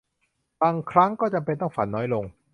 บางครั้งก็จำเป็นต้องฝันน้อยลง